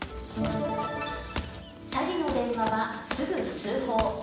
詐欺の電話はすぐ通報。